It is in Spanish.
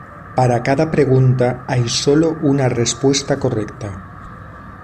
Para cada pregunta hay solo una respuesta correcta.